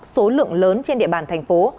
số lượng lớn trên địa bàn thành phố